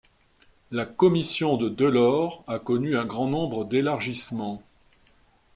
La commission de Delors a connu un grand nombre d'élargissements.